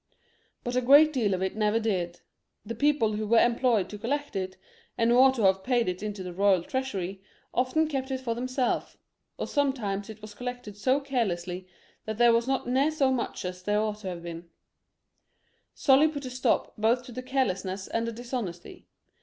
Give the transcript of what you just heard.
But a great deal of it never did. The people who were employed to collect it, and who ought to have paid it to the royal treasury, often kept it for themselves, or sometimes it was collected so carelessly that there was not near so much as there ought to be. Sully put a stop both to the careless ness and the dishonesty.